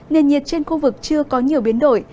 nền nhiệt trên khu vực chưa có nhiều biến đổi